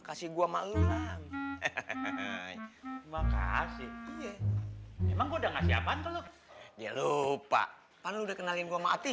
kasih gua mau lang makasih memang udah ngasi apaan kalau dia lupa udah kenalin gua mati